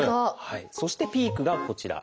そしてピークがこちら。